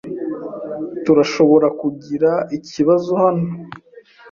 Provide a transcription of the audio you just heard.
Turashobora kugira ikibazo hano.